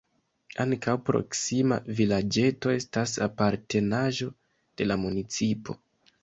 Ankaŭ proksima vilaĝeto estas apartenaĵo de la municipo.